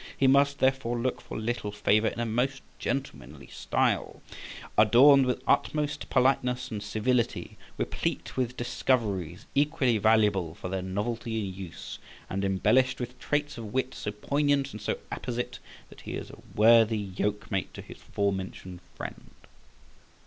he must therefore look for little favour, in a most gentlemanly style, adorned with utmost politeness and civility, replete with discoveries equally valuable for their novelty and use, and embellished with traits of wit so poignant and so apposite, that he is a worthy yoke mate to his fore mentioned friend.